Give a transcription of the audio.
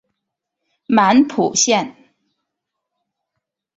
满浦线